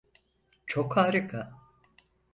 Çok harika!